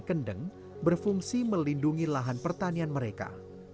kendeng berfungsi melindungi lahan pertanian mereka